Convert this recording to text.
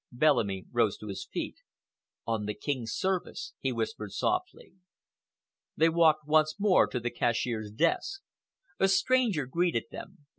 Bellamy rose to his feet. "On the King's service!" he whispered softly. They walked once more to the cashier's desk. A stranger greeted them.